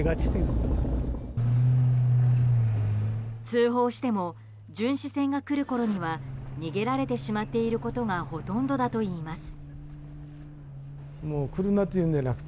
通報しても巡視船が来るころには逃げられてしまっていることがほとんどだといいます。